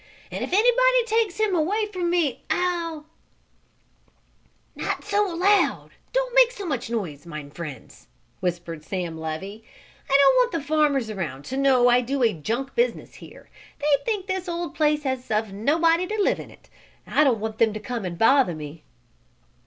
"And if anybody takes him away from me I'll " "Not so loud! Don't make so much noise, mine friends!" whispered Sam Levy. "I don't want the farmers around to know I do a junk business here. They think this old place has of nobody to live in it. I don't want them to come and bother me."